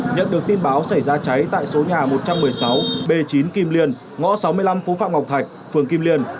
nhận được tin báo xảy ra cháy tại số nhà một trăm một mươi sáu b chín kim liên ngõ sáu mươi năm phố phạm ngọc thạch phường kim liên